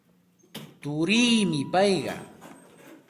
Turiimi payqa.